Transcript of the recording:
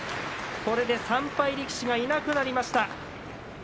これで３敗力士がいなくなりました。